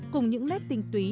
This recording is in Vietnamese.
cùng những nét tinh túy